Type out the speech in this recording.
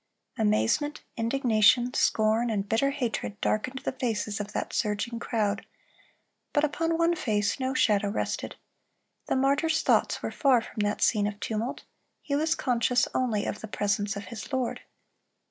Amazement, indignation, scorn, and bitter hatred darkened the faces of that surging crowd; but upon one face no shadow rested. The martyr's thoughts were far from that scene of tumult; he was conscious only of the presence of his Lord.